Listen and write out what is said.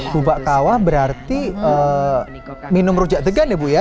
bubak kawah berarti minum rujak degan ya bu ya